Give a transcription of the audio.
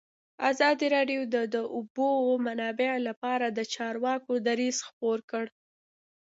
ازادي راډیو د د اوبو منابع لپاره د چارواکو دریځ خپور کړی.